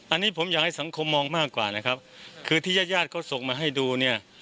อันนี้ผมอยากให้สังคมมองมากกว่านะครับคือที่ญาติญาติเขาส่งมาให้ดูเนี่ย